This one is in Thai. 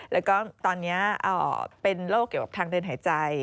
แล้วก็ตอนนี้เป็นโรคเกี่ยวกับทางเดินหายใจ